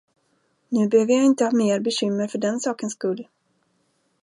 Nu behöver jag inte ha mer bekymmer för den sakens skull.